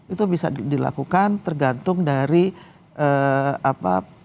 itu bisa dilakukan tergantung dari apa